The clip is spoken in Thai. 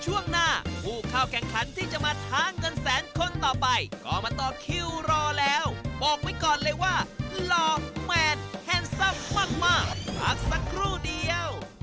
วันนี้ขอบคุณนะคะ